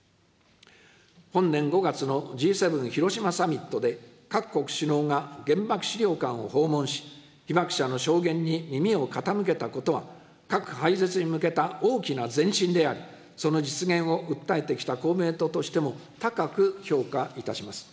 本年５月のＧ７広島サミットで、各国首脳が原爆資料館を訪問し、被爆者の証言に耳を傾けたことは、核廃絶に向けた大きな前進であり、その実現を訴えてきた公明党としても、高く評価いたします。